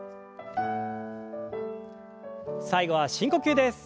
最後は深呼吸です。